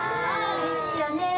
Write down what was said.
うれしいよね。